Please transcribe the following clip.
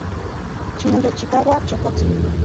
Ximoyolchikaua, chokotsin.